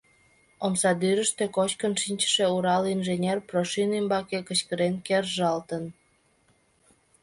Омсадӱрыштӧ кочкын шинчыше урал инженер Прошин ӱмбаке кычкырен кержалтын.